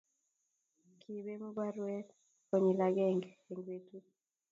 Kibemu baruet konyil agenge eng betut